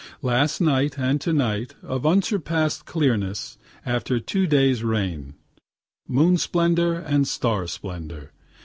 Last night and to night of unsurpass'd clearness, after two days' rain; moon splendor and star splendor.